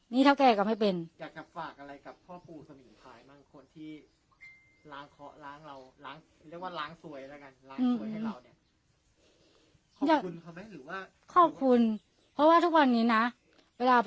นี่เท่าแกร่ก็ไม่เป็นอยากกลับฝากอะไรกับพ่อปู่สนิทธัย